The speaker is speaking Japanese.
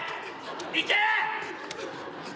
行け！